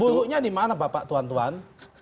buruknya dimana bapak tuan tuan